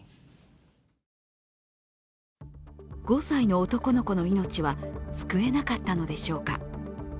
５歳の男の子の命は救えなかったのでしょうか。